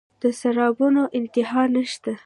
د سرابونو انتها نشته